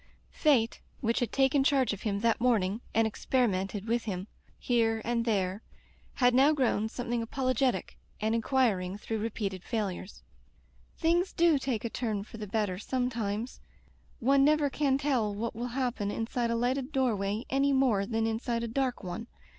Fate, which had taken charge of him that morning, and experimented with him here Digitized by LjOOQ IC Interventions and there, had now grown something apolo getic and inquiring through repeated failures. "Things do take a turn for the better some times. One never can tell what will happen inside a lighted door way any more than in side a dark one.